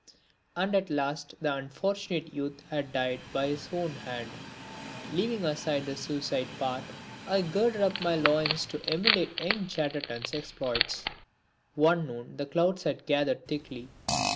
And at last the unfortunate youth had died by his own hand. Leaving aside the suicide part I girded up my loins to emulate young Chatterton's exploits. One noon the clouds had gathered thickly.